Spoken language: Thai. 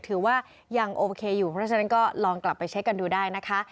ถือว่ายังโอเคอยู่เพราะฉะนั้นก็ลองกลับไปเช็คกันดูได้นะคะ